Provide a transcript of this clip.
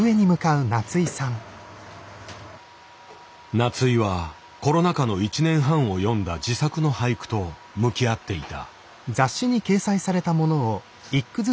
夏井はコロナ禍の１年半を詠んだ自作の俳句と向き合っていた。